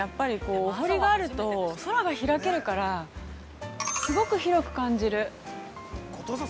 お堀があると空が開けるからすごく広く感じる。